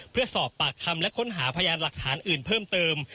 เพื่อสอบปากคำและค้นหาพยานหลักฐานอื่นเพิ่มเติม